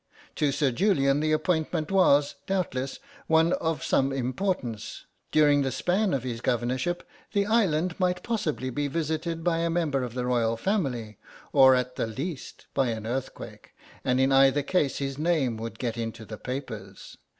To Sir Julian the appointment was, doubtless, one of some importance; during the span of his Governorship the island might possibly be visited by a member of the Royal Family, or at the least by an earthquake, and in either case his name would get into the papers.